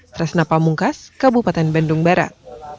trasnapa mungkas kabupaten bandung barat